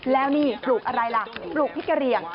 แล้วนี่ปลูกอะไรล่ะปลูกพริกกะเหลี่ยง